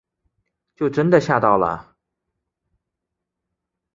就真的吓到了